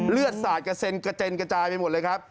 สาดกระเซ็นกระเจนกระจายไปหมดเลยครับ